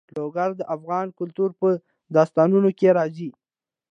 لوگر د افغان کلتور په داستانونو کې راځي.